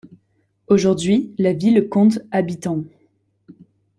Aujourd'hui, la ville compte habitants.